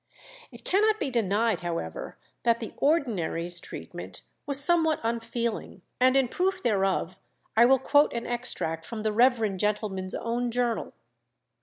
It cannot be denied, however, that the ordinary's treatment was somewhat unfeeling, and in proof thereof I will quote an extract from the reverend gentleman's own journal.